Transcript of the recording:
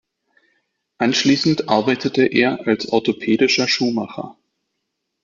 Anschließend arbeitete er als orthopädischer Schuhmacher.